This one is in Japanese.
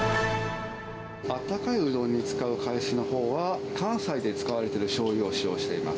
あったかいうどんに使うかえしのほうは、関西で使われているしょうゆを使用しています。